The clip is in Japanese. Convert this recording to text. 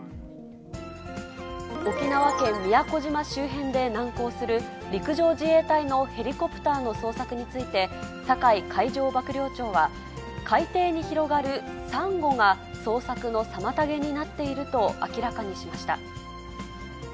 沖縄県宮古島周辺で難航する、陸上自衛隊のヘリコプターの捜索について、酒井海上幕僚長は、海底に広がるさんごが、捜索の妨げになっていると明らかにしました。